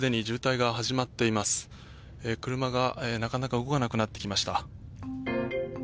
車が動かなくなってきました。